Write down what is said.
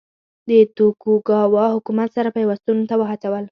د توکوګاوا حکومت سره پیوستون ته وهڅول.